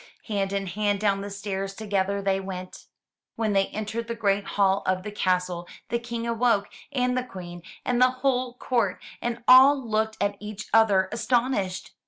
Hand in hand, down the stairs together they went. When they entered the great hall of the castle, the King awoke and the Queen and the whole court, and all jooked at each other astonished.